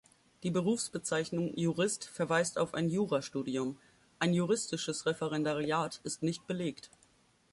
Die Berufsbezeichnung "Jurist" verweist auf ein Jurastudium; ein juristisches Referendariat ist nicht belegt.